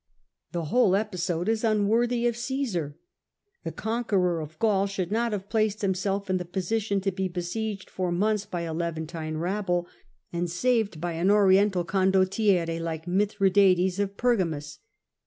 The whole episode is unworthy of Oaesar ; the con queror of Gaul should not have placed himself in the position to be besieged for months by a Levantine rabble, and saved by an Oriental condottiere like Mithradates of Pergamus.